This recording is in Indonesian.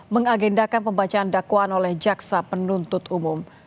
mengagendakan pembacaan dakwaan oleh jaksa penuntut umum